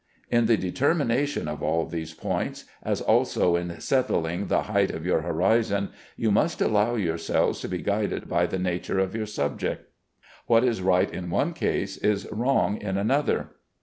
In the determination of all these points, as also in settling the height of your horizon, you must allow yourselves to be guided by the nature of your subject. What is right in one case is wrong in another.